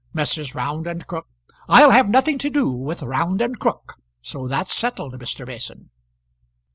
Messrs. Round and Crook " "I'll have nothing to do with Round and Crook. So that's settled, Mr. Mason."